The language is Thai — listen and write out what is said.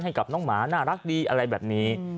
ให้กับน้องหมาน่ารักดีอะไรแบบนี้